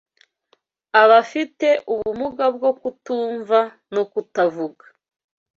abafite ubumuga bwo kutumva no kutavuga